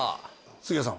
杉谷さん。